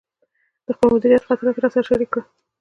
د خپل مدیریت خاطرات یې راسره شریک کړل.